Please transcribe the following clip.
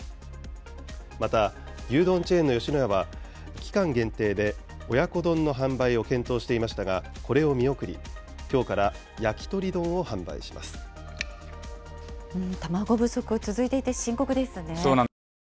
また、牛丼チェーンの吉野家は、期間限定で親子丼の販売を検討していましたが、これを見送り、卵不足、続いていて、深刻でそうなんですよね。